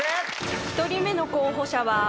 ［１人目の候補者は］